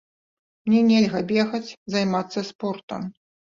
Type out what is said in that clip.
Мне нельга бегаць, займацца спортам.